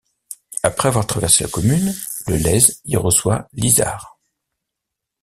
Après avoir traversé la commune, le Lez y reçoit l'Isard.